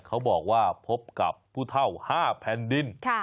เขาบอกว่าพบกับผู้เท่า๕แผ่นดิน